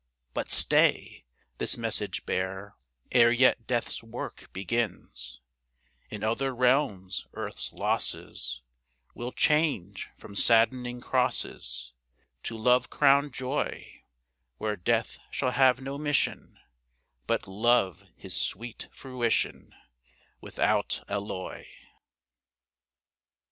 But, stay! This message bear, Ere yet Death's work begins: "In other realms earth's losses Will change from saddening crosses To love crowned joy, Where Death shall have no mission, But Love his sweet fruition Without alloy."